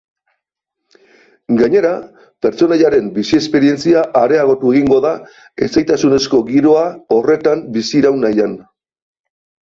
Gainera, pertsonaiaren bizi-esperientzia areagotu egingo da etsaitasunezko giroa horretan biziraun nahian.